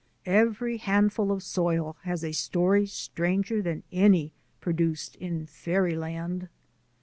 Every handful of soil has a story stranger than any produced in fairyland.